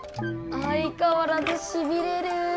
あいかわらずしびれる。